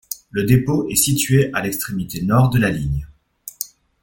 Le dépôt est situé à l'extrémité nord de la ligne.